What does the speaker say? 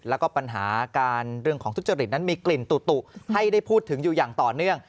แล้วก็ปัญหาการเรื่องของทุจริตนั้นมีกลิ่นตุให้ได้พูดถึงอยู่อย่างต่อเนื่อง